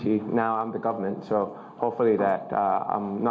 อย่างที่ก่อนในการช่วยกับกรรมนั้น